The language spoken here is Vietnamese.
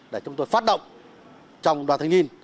để chúng tôi phát động trong đoàn thanh niên